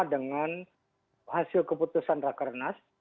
dengan hasil keputusan rakernas